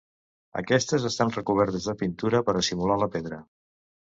Aquestes estan recobertes de pintura per a simular la pedra.